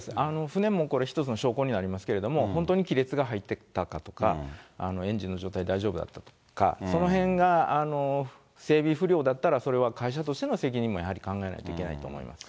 船もこれ、一つの証拠になりますけれども、本当に亀裂が入っていたかとか、エンジンの状態大丈夫だったのか、そのへんが整備不良だったら、それは会社としての責任もやはり考えないといけないと思います。